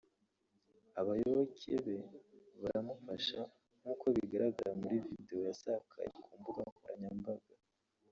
abayoboke be baramufasha; nkuko bigaragara muri video yasakaye ku mbuga nkoranyambaga